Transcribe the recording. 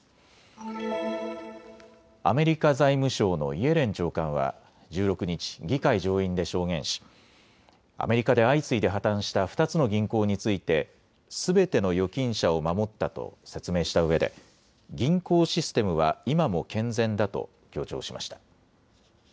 アメリカ財務省のイエレン長官は１６日、議会上院で証言しアメリカで相次いで破綻した２つの銀行についてすべての預金者を守ったと説明したうえで銀行システムは今も健全だと強調しました。